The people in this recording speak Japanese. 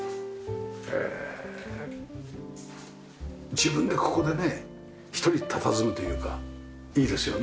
自分でここでね一人たたずむというかいいですよね。